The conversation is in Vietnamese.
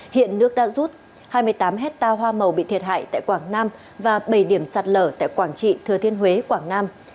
hiện nước đã rút hai mươi tám hectare hoa màu bị thiệt hại tại quảng nam và bảy điểm sạt lở tại quảng trị thừa thiên huế quảng nam